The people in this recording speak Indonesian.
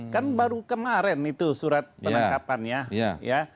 kan baru kemarin itu surat penangkapannya ya